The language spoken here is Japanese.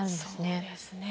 そうですね。